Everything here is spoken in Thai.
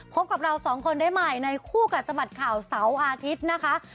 พบกับเราสองคนได้ใหม่ในคู่กัดสะบัดข่าวเสาร์อาทิตย์นะคะ